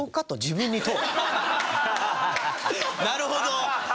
なるほど。